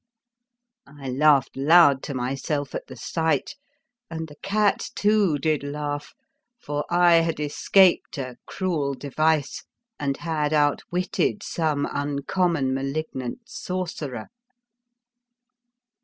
I laughed loud to myself at the sight, and the cat, too, did laugh, for I had escaped a cruel device and had outwitted some uncommon malignant sorcerer.